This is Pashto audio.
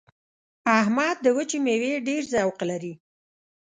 احمد د وچې مېوې ډېر ذوق لري.